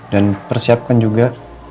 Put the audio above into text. dan persiapkan juga